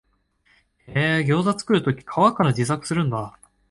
へえ、ギョウザ作るとき皮から自作するんだ